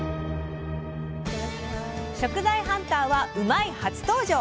食材ハンターは「うまいッ！」初登場！